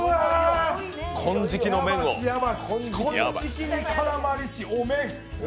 金色に絡まりし、お麺。